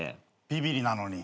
ビビりなのに。